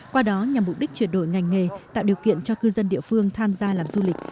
qua đó nhằm mục đích chuyển đổi ngành nghề tạo điều kiện cho cư dân địa phương tham gia làm du lịch